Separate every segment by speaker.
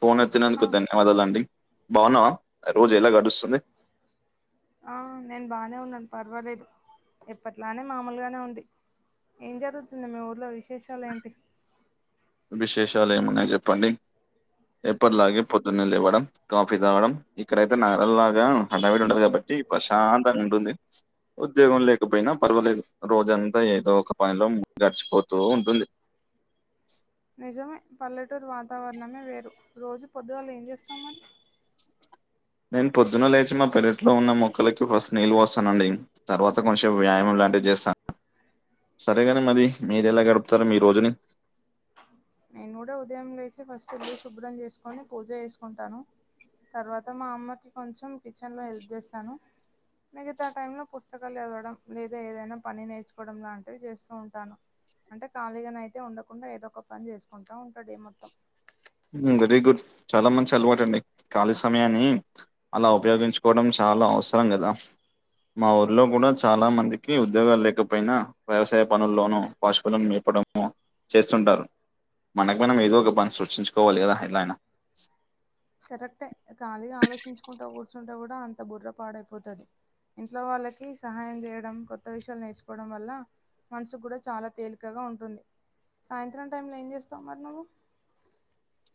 Speaker 1: Phone
Speaker 2: ఆ
Speaker 1: ఎత్తినందుకు ధన్యవాదాలుండి బావునావా రోజు ఎలా గడుస్తుంది?
Speaker 2: ఆ నేను బానే ఉన్నాను పర్వాలేదు ఎప్పట్లానే మామూలుగానే ఉంది. ఏం జరుగుతుంది మీ ఊర్లో విశేషాలు ఏంటి?
Speaker 1: విశేషాలు ఏమున్నాయ చెప్పండి ఎప్పటిలాగే పొద్దున లేవడం, కాఫీ తాగడం ఇక్కడైతే నగర లాగా హడవిడి ఉండది కాబట్టి ది ప్రశాంతంగా ఉంటుంది. ఉద్యోగం లేకపోయినా పర్వలేేదు రోజంతా ఏదో ఒక పనిలో గడిచిపోతూ ఉంటుంది
Speaker 2: నిజమే పల్లెటూరు వాతావరణమే వేరు రోజు పొద్దువాళ్ళు ఏం చేస్తామని
Speaker 1: నేను పొద్దున లేచి మా పెరట్లో ఉన్న మొక్కలకి ఫస్ట్ నీళ్ళు పోస్తానండి తర్వాత కొంచం వ్యాయామం లాంటివి చేస్తాను సరేగాని మరి మీరు ఎలా గడుపుతారు మీ రోజుని
Speaker 2: నేను కూడా ఉదయం లేచి ఫస్ట్ ఇరు శుభ్రం చేసుకొని పూజ చేసుకుంటాను తర్వాత మా అమ్మకి కొంచెం కిచెన్ లో హెల్ప్ చేస్తాను మిగతా టైంలో పుస్తకాలు ఎదవడం లేదా ఏదైనా పని నేర్చుకోవడం లాంటివి చేస్తూ ఉంటాను అంటే ఖాళీగాన అయితే ఉండకుండా ఏదో ఒక పని చేసుకుంటా ఉంటాడు మొత్తం
Speaker 1: వెరీ గుడ్ చాలా మంచి అలవాటు అండి ఖాళీ సమయాన్ని అలా ఉపయోగించుకోవడం చ చాలా అవసరం కదా మా ఊర్లో కూడా చాలా మందికి ఉద్యోగాలు లేకపోయినా వ్యవసాయ పనుల్లోనూ పశువులు మేట్ చేస్తుంటారు మనకు మనం ఏదో ఒక పని సృష్టించు కోవాలి కదా ఎలా అయినా
Speaker 2: కరెక్టే ఖాళగా ఆలోచించుకుంటా కూర్చుంటా కూడా అంత బుర్ర పాడైపోతుది ఇంట్లో వాళ్ళకి సహాయం చేయడం కొత్త విషయాలు నేర్చుకోవడం వల్ల మనసు కూడా చాలా తేలికగా ఉంటుంది సాయంత్రం టైంలో ఏం చేస్తావు మరి నువ్వు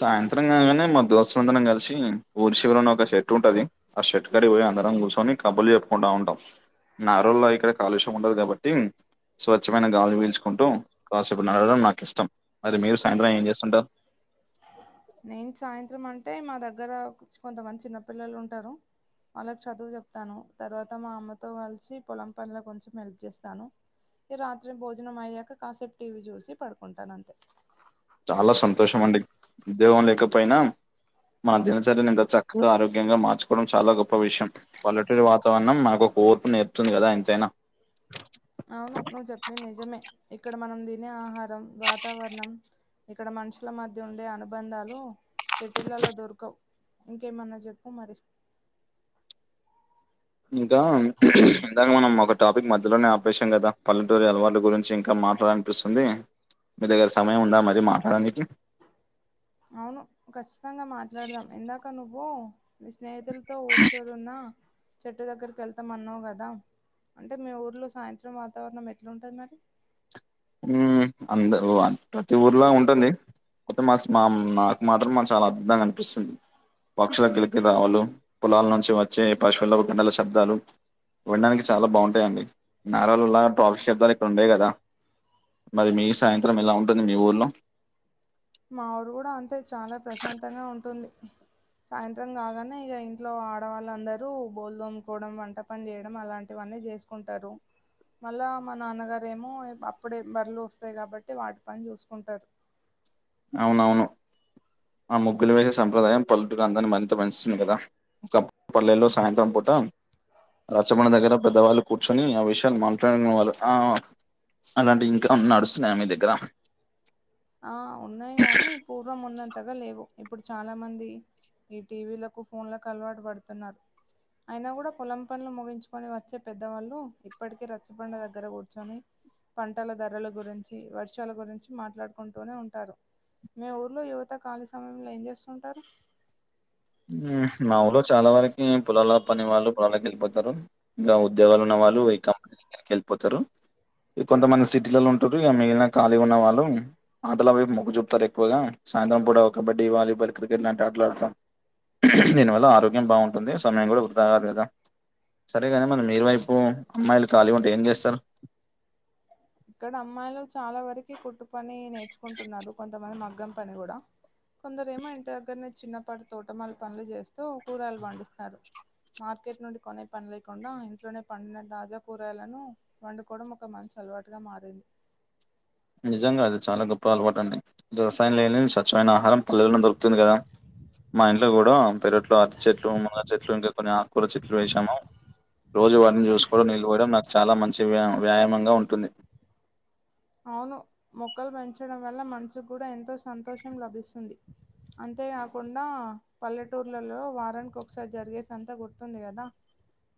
Speaker 1: సాయంత్రం కాగానే మా దోస్తుల అందరం కలిసి ఊరి చివరిలోని ఒక షర్ట్ ఉంటది ఆ షర్ట్ కడి పోయి అందరం కూర్చొని కబ్బలు చెప్పుకుంటా ఉంటాం నారల్ లో ఇక్కడ కాలుష్యం ఉండదు కాబట్టి స్వచ్ఛమైన గాలి వీల్చుకుంటూ కాసేపు నడవడం నాకు ఇష్టం అదతే మీరు సాయంత్రం ఏం చేస్తుంటారు
Speaker 2: నేను సాయంత్రం అంటే మా దగ్గర కొంతమంది చిన్నపిల్లలు ఉంటారు వాళ్ళకు చదువు చెప్తాను తర్వాత మా అమ్మతో కలిసి పొలం పనుల కొంచెం హెల్ప్ చేస్తాను ఈ రాత్రి భోజనం అయ్యాక కాసేపు టీవీ చూసి పడుకుంటాను అంతే
Speaker 1: చాలా సంతోషం అండి ఉదేహం లేకపోయినా మన దినచర్యను ఇంకా చక్కగా ఆరోగ్యంగా మార్చుకోవడం చాలా గొప్ప విషయం పల్లెటూరి వాతావరణం మనకు ఓర్పు నేర్పుతుంది కదా ఎంతైనా
Speaker 2: అవును నువ్వు చెప్పింది నిజమే ఇక్కడ మనం తినే ఆహారం వాతావరణం ఇక్కడ మనుషుల మధ్య ఉండే అనుబంధాలు సిటీలలో దొరకవు ఇంకేమన్నా చెప్పు మరి
Speaker 1: ఇంకా ఇందాక మనం ఒక టాపిక్ మధ్యలోనే ఆపేశాం కదా పల్లెటూరు అలవాటుల గురించి ఇంకా మాట్లాడ అనిపిస్తుంది మీ దగ్గర సమయం ఉందా మరీ మాట్లాడనికి
Speaker 2: అవును ఖచ్చితంగా మాట్లాడదాం ఎందాక నువ్వు మీ స్నేహితులతో ఊరు చివర ఉన్న చెట్టు దగ్గరికి వెళ్తాం అన్నావు కదా అంటే మీ ఊర్లో సాయంత్రం వాతావరణం ఎట్లుంటుంది మరి
Speaker 1: ఉ అంద ప్రతి ఊర్లో ఉంటుంది అతే మా మా నాకు మాత్రం మాకు చాలా అద్భుతంగా అనిపిస్తుంది పక్షుల కిలికి రావలు పొలాల నుంచి వచ్చే పార్శ్వలపు గండల శబ్దాలు విండానికి చాలా బాగుంటాయిండి నారలులా ట్రాఫీ శబ్దాలు ఇక్కడ ఉండేయి కదా మరి మీ సాయంత్రం ఇలా ఉంటుంది మీ ఊర్లో
Speaker 2: మా ఊరు కూడా అంతే చాలా ప్రశాంతంగా ఉంటుంది సాయంత్రం కాగానే ఇక ఇంట్లో ఆడవాళ్ళందరూ బోల్ దోమ్కోవడం వంట పని చేయడం అలాంటి అన్ని చేసుకుంటారు మళ్ళా మా నాన్నగారేమో అప్పుడే బర్రలు వస్తాయి కాబట్టి వాటి పని చూసుకుంటారు
Speaker 1: అవునవును ఆ ముగ్గులు వేసే సంప్రదాయం పల్లెటగా అందని మరింత పస్తుంది కదా ఒక పల్లెలో సాయంత్రం పుట్ రచ్చమండ దగ్గర పెద్దవాళ్ళు కూర్చొని ఆ విషయాన్ని మాట్లాడుకురు ఆ ఆ అలాంటి ఇంకా నడుస్తున్నాయా మీ దగ్గర
Speaker 2: ఆ ఉన్నాయి గాని పూర్వం ఉన్నంత తఅంతగా లేవు ఇప్పుడు చాలా మంది ఈ టీవీలకు ఫోన్లకు అలవాటు పడుతున్నారు అయినా కూడా పొలం పనుడ్లు ముగించుకొని వచ్చే పెద్దవాళ్ళు ఇప్పటికీ రచ్చ పండు దగ్గర కూర్చొని పంటల ధరల గురించి వర్షాల గురించి మాట్లాడుకు కొంటూనే ఉంటారు మీ ఊర్లో యువత ఖాళీ సమయంలో ఏం చేస్తుంటారు
Speaker 1: మా ఊరులో చాలా వరకి పొలాల పని వాళ్ళు పొలాలకి వెళ్ళిపోతారు ఇంకా ఉద్యోగాలు ఉన్న వాళ్ళు కంపెనీ దగ్గరికి వెళ్ళిపోతారు ఇక కొంతమంది సిటీలలో ఉంటారు ఇక మిగిలిన ఖాళీ ఉన్న వాళ్ళు ఆటల వైపు మొగ్గు చూపుతారు ఎక్కువగా సాయంత్రం కూడా కబడ్డీ వాలీబాల్ క్రికెట్ లాంటి ఆట్లా ఆడతాం దీనివల్ల ఆరోగ్యం బాగుంటుంది సమయం కూడా వృధా కాదు కదా సరేగానీ మరి మీరు వైపు అమ్మాయిలు ఖాళీ ఉంటే ఏం చేస్తారు
Speaker 2: ఇక్కడ అమ్మాయిలు చాలా వరకు కుట్టు పని నేర్చుకుంటున్నారు కొంతమంది మ గం పని కూడా కొందర ఏమో ఇంటి దగ్గరనే చిన్నపాటి తోటమాల పనులు చేస్తూ కూరలు పండిస్తారు మార్కెట్ నుండి కొనే పని లేకుండా ఇంట్లోనే పండి తాజా కూరయలను వండుకోవడం ఒక మంచి అలవాటు ట్టుగా మారింది
Speaker 1: నిజంగా అది చాలా గొప్ప అలవాటు అండి రసాయన లేని స్వచ్ఛమైన ఆహారం పల్లెలను దొరుకుతుంది కదా మా ఇంట్లో కూడా పెరొట్లో అతి చెట్లు మునగ చెట్లు ఇంకా కొన్ని ఆకుకూరా చెట్లు వేసాము రోజు వాటిని చూసుకోవడం నీళ్ళు పోయడం నాకు చాలా మంచి వ్యాయామంగా ఉంటుంది
Speaker 2: అవును మొక్కలు పెంచడం వల్ల మనసుకు కూడా ఎంతో సంతోషం లభిస్తుంది అంతేకాకుండా పల్లెటూర్లలో వారానికి ఒకసారి జరిగే సంతా గుర్తుంది కదా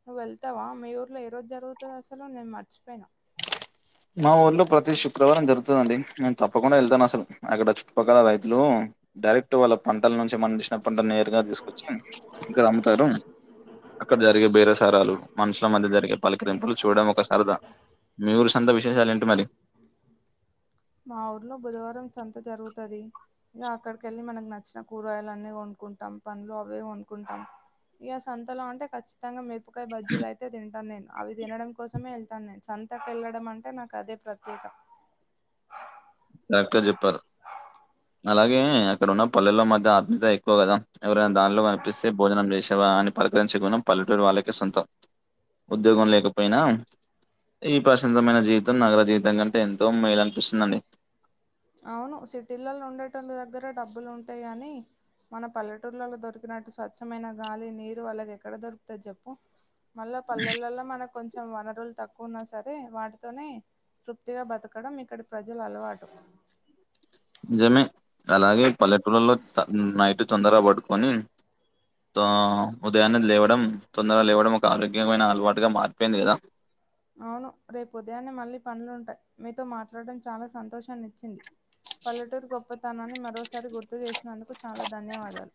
Speaker 2: నువ్వు వెళ్తావా మీ ఊర్లో ఏ రోజు జరుగుతుంది అసలు నేను మర్చిపోయినా
Speaker 1: మా ఊర్లో ప్రతి శుక్రవారం జరుగుతుందండి నేను తప్పకుండా వెళ్తాను అసలు అక్కడ చుపక్కల రైతులు డైరెక్ట్ వాళ్ళ పంటల నుంచి మనం ఇచ్చిన పంట నేరుగా తీసుకు వచ్చి ఇక్కడ అమ్ముతారు అక్కడ జరిగే బేరే సారాలు మనుషుల మధ్య జరిగే పలికరింపులు చూడడం ఒక సరదా మీరు సంతా విశేషాలు ఏంట మరి
Speaker 2: మా ఊర్లో బుధవారం సంత జరుగుతది ఇంక అక్కడికిళ్ళి మనకు నచ్చిన కూరగాయలు అన్న కొంనుక్కుంటాం పనులు అవే కొంక్కుంటాం ఇక సంతల అంటే ఖచ్చితంగా మిరపకాయ్ బజ్జీలు అయితే తింటాను నేను అవి తినడం కోసమే వెళ్తాను నేను సంతకు వెళ్ళడం అంటే నాకు అదే ప్రత్యేక
Speaker 1: కరెక్ట్ చెప్పారు అలాగే అక్కడ ఉన్న పల్లెల్లో మధ్య ఆత్మీయత ఎక్కువ కదా ఎవరైనా దానిట్లో కనిపిస్తే భోజనం చేస అని పలకరించకుం పల్లెటూరు వాళ్ళకే సొంతం ఉద్యోగం లేకపోయినా ఈ ప్రశాంతమైన జీవితం నగర జీవితం కంటే ఎంతో మేలనిపిస్తుందండి
Speaker 2: అవును సిటీలలో ఉండేటోలా దగ్గర డబ్బులు ఉంటాయి కాని మన పల్లెటూర్లలో దొరికినట్టు స్వచ్ఛమైన గాలి నీరు వాళ్లాగ ఎక్కడ దొరుకుత చెప్పు మళ్ళా పల్లెలలో మనకు కొంచెం వనరులు తక్కువ ఉన్నా సరే వాటితోనే తృప్తిగా బతకడం ఇక్కడి ప్రజల అలవాటు.
Speaker 1: నిజమే అలాగే పల్లెటూళ్లలో త నైట్ తొందరగా పడుకొని త ఉదయాన్నది లేవడం, తొందరగా లేవడం ఒక ఆరోగ్యమైన అలవాటుగా మారిపోయింది కదా
Speaker 2: అవును రేపు ఉదయాన్నే మళ్ళీ పనులుంటాయి మీతో మాట్లాడటడం చాలా సంతోషాన్నిచ్చింది. పల్లెటూరి గొప్పతనాన్ని మరోసారి గుర్తు చేసినందుకు చాలా ధన్యవాదాలు.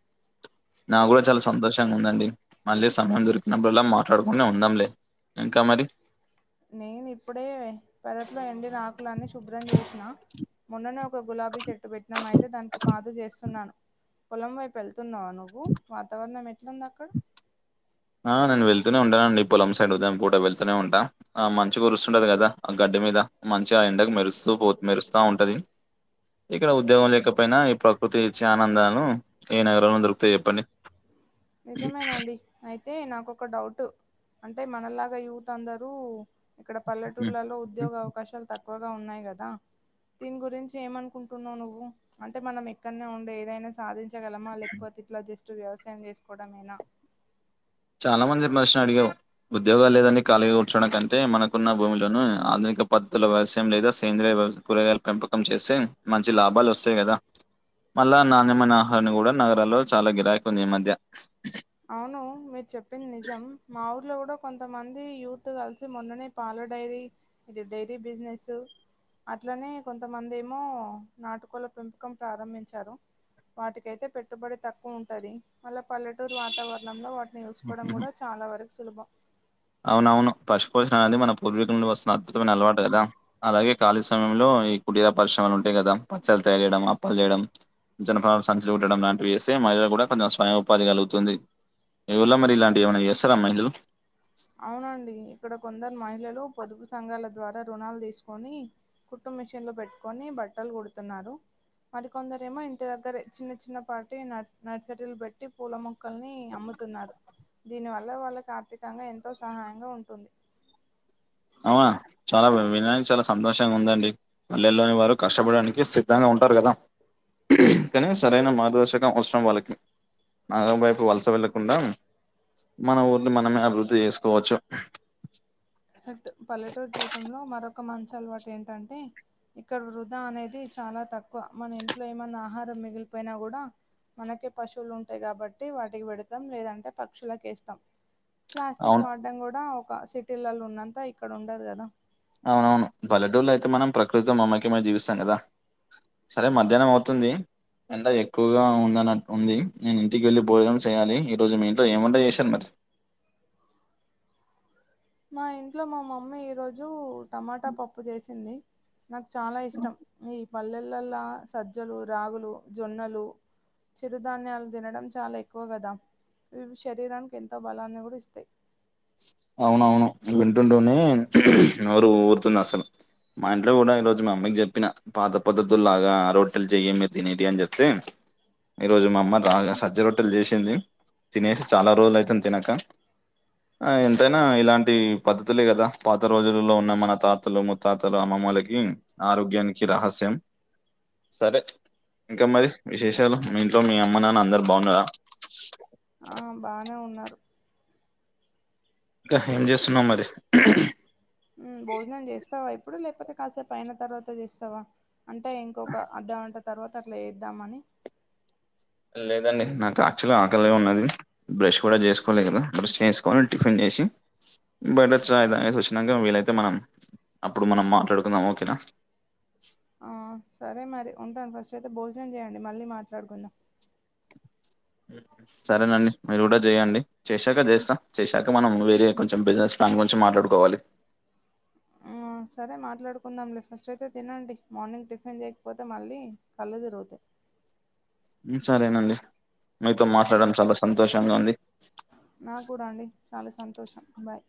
Speaker 1: నా గూడా చాలా సంతోషంగా ఉందండి. మళ్ళీ సమయం దొరికినప్పుడుల్లా మాట్లాడుకుని ఉందాంలే. ఇంకా మరి
Speaker 2: నేను ఇప్పుడే పెరట్లో ఎండినా ఆకులఅన్ని శుభ్రం చేసిన మొన్ననే ఒక గులాబీ చెట్టు పెట్టినామయితే దానికి పాదు చేస్తున్నాను. పొలం వైపు వెళ్తున్నావా నువ్వు వాతావరణం ఎట్లుంది అక్కడ?
Speaker 1: ఆ నేను వెళ్తూనే ఉంటానండి పొలం సైడ్ ఉదాయం కూడా వెళ్తూనే ఉంటాను ఆ మంచి కురుస్తుంటది కదా ఆ గడ్డి ఇంటి మీద మంచిగా ఎండకు మెరుస్తూ పో మెరుస్తా ఉంటది. ఇక్కడ ఉద్యోగం లేకపోయినా ఈ ప్రకృతి ఇచ్చే ఆనందాలు ఏ నగరంలో దొరుకుతాయి చెప్పండి.
Speaker 2: నిజమేన అండి అయి తే నాకు ఒక డౌట్ అంటే మనలాగా యూత్ అందరూ ఇక్కడ
Speaker 1: ఉమ్.
Speaker 2: పల్లెటూర్లలో ఉద్యోగ అవకాశాలు తక్కువగా ఉన్నాయి కదా దీని గురించి ఏమనుకుంటున్నావు నువ్వు అంటే మనం ఎక్కడనే ఉండే ఏదైనా సాధి పెంచగలమా లేకపోతే ఇట్లా జస్ట్ వ్యవసాయం చేసుకోవడమేనా
Speaker 1: చాలా మంది మేస్న అడిగావు ఉద్యోగం లేదని ఖాళీ కూర్చోడం కంటే మనకున్న భూమిలోను ఆధని ఇంకా పద్ధతుల వ్యవసయం లేదా సేంద్రీయ కూరగాల పెంపకం చేస్తే మంచి లాభాలు వస్తాయి కదా మళ్ళా నాణ్యమైన ఆహారన్ని కూడా నగరాల్లో చాలా గిరాకి ఉంది ఈ మధ్య
Speaker 2: అవును మీరు చెప్పింది నిజం మాఊరు లో కూడా కొంతమంది యూత్ కలిసి మొన్ననే పాల డైరీ ఇది డైరీ బిజినెస్ అట్లనే కొంతమంది ఏమో నాటుకోళ్ల పెంపకం ప్రారంభించారు. వాటికైతే పెట్టుబడి తక్కువ ఉంటది. అళ్ పల్లెట టూరు వాతావరణంలో వాటిని చూసుకోవడం కూడా చాలా వరకు సులభం.
Speaker 1: అవునవును పశు పోషణ అనేది మన పూర్వీకుల నుండి వస్తున్న అద్భుతమైన అలవాటు కదా అలాగే ఖాళీ సమయంలో ఈ కుటీరల పరిశ్రమలు ఉంటాయి కదా పచ్చలు తయారు చేయడం, అప్పలు చేయడం. జనపనాల సంచులు ఉట్టడం లాంటి వేస్తే మహిళలు కూడా కొంచెం స్వయం ఉపాధి కలుగుతుంది. మీ ఊరులో మరి ఇలాంటివి ఏమన్న చేస్తరా మహిళలు?
Speaker 2: అవునండి ఇక్కడ కొందరు మహిళ లు పొదుపు సంఘాల ద్వారా రుణాలు తీసుకొని కుట్టుమిషన్లు పెట్టుకొని బట్టలు కుడుతున్నారు. మరికొందరు ఏమో ఇంటి దగ్గర చిన్న చిన్న పాటి న నర్సరీలు పెట్టి పూల మొక్కల్ని అమ్ము తున్నారు దీనివల్ల వాళ్ళకు ఆర్థికంగా ఎంతో సహాయంగా ఉంటుంది.
Speaker 1: అవునా చాలా విననికి చాలా సంతోషంగా ఉందండి. పల్లెల్లోని వారు కష్టపడడానికి సిద్ధంగా ఉ న్నారు కదా కానీ సరైన మార్గదర్శకం వసరం వాళ్ళకి నగరం వైపు వలస వెళ్ళకుండా మన ఊర్ని మనమే అభివృద్ధి చేసుకోవచ్చు.
Speaker 2: లడ్డు పల్లె పల్లెటూరు జీవితంలో మరొక మంచ అలవాటు ఏంటంటే? ఇక్కడ వృధా అనేది చాలా తక్కువ మన ఇంట్లో ఏమన్నా ఆహారం మిగిలిపోయినా కూడా మనకే పశువులు ఉంటాయి కాబట్టి వాటికి పెడతాం లేదంటే పక్షులకెస్తాం. ప్లాస్టిక్
Speaker 1: అవును
Speaker 2: వాడడం కూడా ఒక సిటిలలో ఉన్నంత ఇక్కడ ఉండదు కదా
Speaker 1: అవునవును బల్లెటడూళ్ళ అయితే మనం ప్రకృతి మమ్మకమ జీవిస్తాం కదా సరే మధ్యాహ్నం అవుతుంది ఎండ ఎక్కువగా ఉందనట్ ఉంది నేను ఇంటికి వెళ్ళలి భోజనం చేయాలి. ఈ రోజు మీ ఇంట్లో ఏమంట చేశారు మరి?
Speaker 2: మా ఇంట్లో మా మమ్మీ ఈరోజు టమాటా పప్పు చేసింది నాకు చాలా ఇష్టం ఈ పల్లెలల్లో సజ్జలు రాగులు జొన్నలు చిరుధాన్యాలు తినడం చాలా ఎక్కువ కదా ఇవి శరీరానికి ఎంతో బలాన్ని కూడా ఇస్తాయి
Speaker 1: అవునవును వింటుంటూనే నోరు ఊరుతుంది అసలు మా ఇంట్లో కూడా ఈరోజు మా అమ్మకి చెప్పిన పాత పద్ధతుల్ లాగా రొట్టెలు చెయ్య మీ తినేటి అని చెప్తే ఈ రోజు మా అమ్మ రాగా సజ్జ రొట్టెలు చేసింది తినేసి చాలా రోజులు అయితుంది తినక ఆ ఎంతైనా ఇలాంటి పద్ధతులే కదా పాత రోజులలో ఉన్న మన తాతలు ముత్తాతలు అమ్మమ్మళకి ఆరోగ్యానికి రహస్యం సరే ఇంకా మరి విశేషాలు మీ ఇంట్లో మీ అమ్మ నాన్న అందరు బాగున్నారా
Speaker 2: ఆ బానే ఉన్నారు
Speaker 1: ఇంక ఏం చేస్తున్నావ్ మరి
Speaker 2: భోజనం చేస్తావా ఇప్పుడు లేకపోతే కాసేపు అయిన తర్వాత చేస్తావా అంటే ఇంకొక అర్ధగంట తర్వాత అట్లా వేద్దామని
Speaker 1: లేదండి నాకు యాక్చువల్గా ఆకలి ఉన్నది బ్రష్ కూడా చేసుకోలే కదా బ్రష్ చేసుకని టిఫిన్ చే సి బైట చాయ్ తాగేసి వచ్చినాక వీలైతే మనం అప్పుడు మనం మాట్లాడుకుందాం ఓకేనా
Speaker 2: సరే మరి ఉంటాను ఫస్ట్ అయితే భోజనం చేయండి మళ్ళీ మాట్లాడుకుందాం
Speaker 1: సరేనండి మీరు కూడా చేయండి చేశాక చేస్తా చేశాక మనం వేరే కొంచెం బిజినెస్ ప్లాన్ గురించి మాట్లాడుకోవాలి
Speaker 2: అ సరే మాట్లాడుకుందాంలే ఫస్ట్ అయితే తినండి మార్నింగ్ టిఫిన్ చేయకపోతే మళ్ళీ కళ్ళు తిరుగుతాయి
Speaker 1: సరేనండి మీతో
Speaker 2: మ్మ్
Speaker 1: మాట్లాడడం
Speaker 2: బాయ్
Speaker 1: చాలా సంతోషంగా ఉంది
Speaker 2: నాకు కూడా అండి చాలా సంతోషం బాయ్